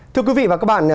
thưa quý vị và các bạn